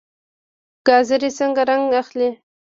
ګازرې څنګه رنګ اخلي؟